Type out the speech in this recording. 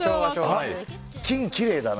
金、きれいだな。